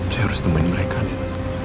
saya harus temenin mereka nih